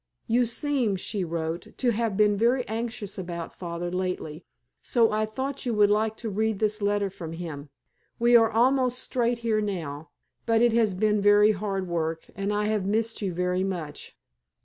"You seem," she wrote, "to have been very anxious about father lately, so I thought you would like to read this letter from him. We are almost straight here now, but it has been very hard work, and I have missed you very much...."